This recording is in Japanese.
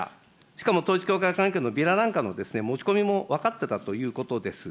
しかも統一教会関係のビラなんかの持ち込みも分かってたということです。